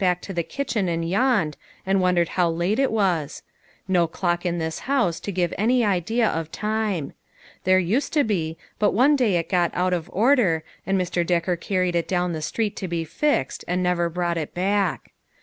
back to the LONG STOBTES TO TELL. 139 kitchen and yawned, and wondered how late it was. No clock in this house to give any idea of time. There used to be, but one day it got out of order and Mr. Decker carried it down street to be fixed, and never brought it back.